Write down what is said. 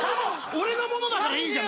俺のものだからいいじゃん